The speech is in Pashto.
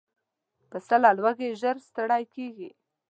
پسه له لوږې ژر ستړی کېږي.